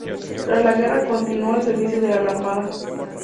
Tras la guerra continuó al servicio de la Armada.